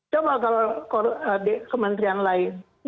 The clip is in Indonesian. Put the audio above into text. coba kalau kementerian lain